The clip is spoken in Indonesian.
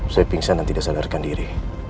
saya pingsan dan tidak sadarkan diri